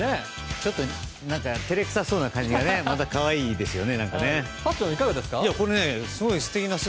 ちょっと照れくさそうな感じが可愛いですよね。